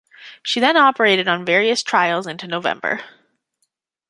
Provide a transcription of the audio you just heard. She then operated on various trials into November.